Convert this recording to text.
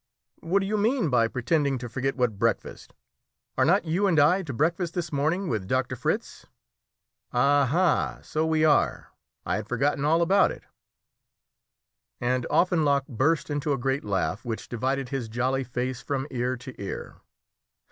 "What do you mean by pretending to forget what breakfast? Are not you and I to breakfast this very morning with Doctor Fritz?" "Aha! so we are! I had forgotten all about it." And Offenloch burst into a great laugh which divided his jolly face from ear to ear.